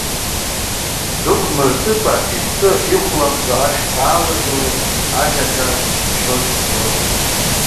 Дук мырҵыкәа, иԥсы ихәламӡо ашә даалагылеит агаҿа зҷаԥшьоз руаӡәы.